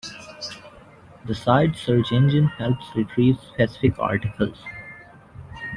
The site's search engine helps retrieve specific articles.